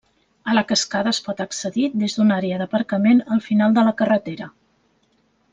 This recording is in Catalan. A la cascada es pot accedir des d'una àrea d'aparcament al final de la carretera.